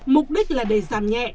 mục đích là để giảm nhẹ